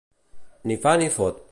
Ni fa ni fot.